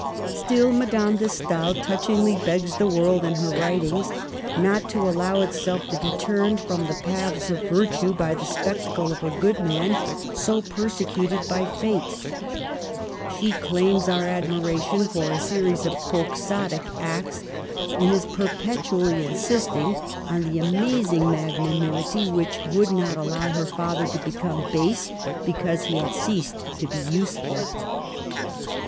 Still, Madame de Stael touchingly begs the world, in her writ ings, not to allow itself to be turned from the Digitized by VjOOQIC IS COURAGEOUS FOR HER FRIENDS. 53 paths of virtue by the spectacle of a good man so persecuted by fate. She claims our admiration for a series of quixotic acts, and is perpetually insisting on the amazing magnanimity which would not allow her father to become base be cause he had ceased to be useful.